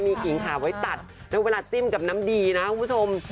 มีกิ่งขาไว้ตัดแล้วเวลาจิ้มกับน้ำดีนะคุณผู้ชม